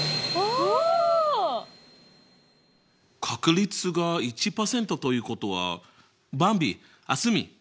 確率が１％ということはばんび蒼澄